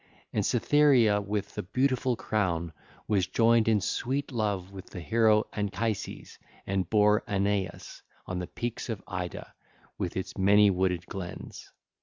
(ll. 1008 1010) And Cytherea with the beautiful crown was joined in sweet love with the hero Anchises and bare Aeneas on the peaks of Ida with its many wooded glens.